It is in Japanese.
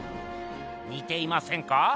にていませんか？